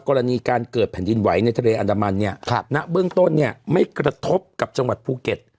กรณีการเกิดแผ่นดินไหวในทะเลอันดามันเนี่ยณเบื้องต้นเนี่ยไม่กระทบกับจังหวัดภูเก็ต